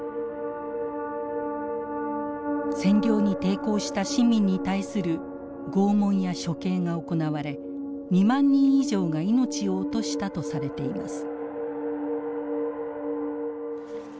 占領に抵抗した市民に対する拷問や処刑が行われ２万人以上が命を落としたとされています。